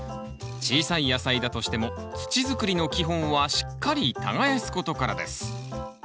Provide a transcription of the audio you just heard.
小さい野菜だとしても土づくりの基本はしっかり耕すことからです